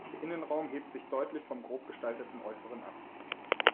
Der Innenraum hebt sich deutlich vom grob gestalteten Äußeren ab.